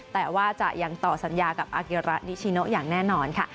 แต่ว่าจะยังต่อสัญญากับอาเกียระนิชิโนอย่างแน่นอนค่ะ